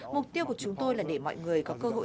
mục tiêu của chúng tôi là để mọi người có cơ hội